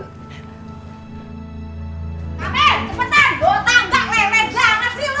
kamen cepetan bawa tangga lele jangan sih lo